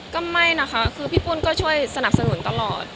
ก็ไม่นะคะคือพี่ปุ้นก็ช่วยสนับสนุนตลอด